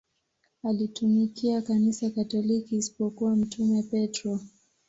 alilitumikia kanisa katoliki isipokuwa mtume petro